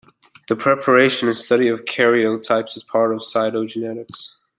The preparation and study of karyotypes is part of cytogenetics.